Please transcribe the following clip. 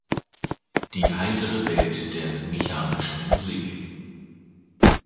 Die heitere Welt der Mechanischen Musik".